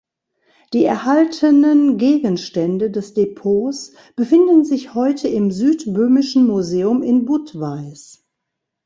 Die erhaltenen Gegenstände des Depots befinden sich heute im Südböhmischen Museum in Budweis.